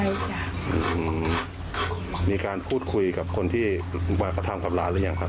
มีการพูดคุยกับคนที่มากระทำกับหลานหรือยังครับ